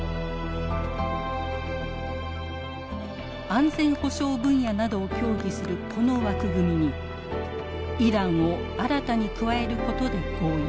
安全保障分野などを協議するこの枠組みにイランを新たに加えることで合意。